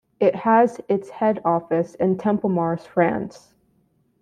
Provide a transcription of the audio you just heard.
It has its head office in Templemars, France.